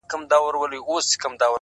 • مست لکه رباب سمه، بنګ سمه، شراب سمه ,